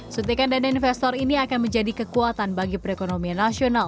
suntikan dana investor ini akan menjadi kekuatan bagi perekonomian nasional